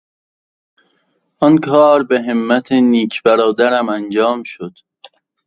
آن کار به همت نیک برادرم انجام شد.